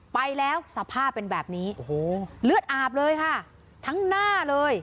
ไปแล้วสภาพเป็นแบบนี้โอ้โหเลือดอาบเลยค่ะทั้งหน้าเลย